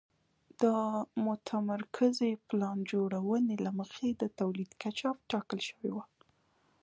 د متمرکزې پلان جوړونې له مخې د تولید کچه ټاکل شوې وه